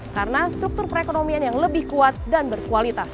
karena struktur perekonomian yang lebih kuat dan berkualitas